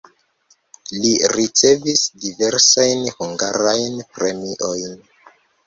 Li ricevis diversajn hungarajn premiojn.